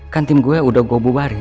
kan tim gue udah gue bubarin